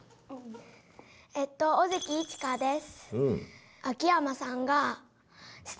えっと小関一歌です。